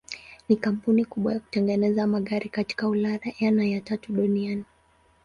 Ni kampuni kubwa ya kutengeneza magari katika Ulaya na ya tatu duniani.